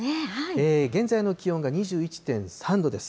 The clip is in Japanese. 現在の気温が２１．３度です。